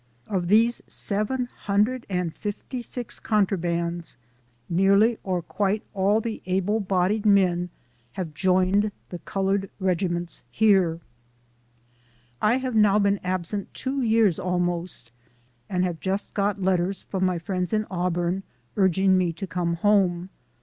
Of these seven hundred and fifty six contrabands, LIFE OF HARRIET TUBMAN. 87 nearly or quite all the able bodied men have joined the colored regiments here. "' I have now been absent two years almost, and have just got letters from my friends in Auburn, urging me to come home.